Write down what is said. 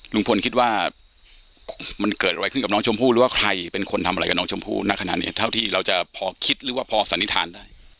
ลุงพลคิดว่ามันเกิดอะไรขึ้นกับน้องชมพู่หรือว่าใครเป็นคนทำอะไรกับน้องชมพู่ณขณะนี้เท่าที่เราจะพอคิดหรือว่าพอสันนิษฐานได้